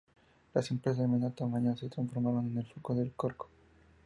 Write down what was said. Las empresas de menor tamaño se transformaron en el foco de la Corfo.